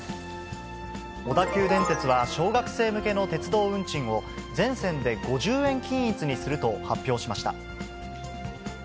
小田急電鉄は、小学生向けの鉄道運賃を、全線で５０円均一にすると発表しました。